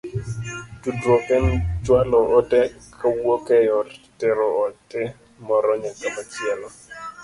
Tudruok en chwalo ote kowuok e yor tero ote moro nyaka machielo.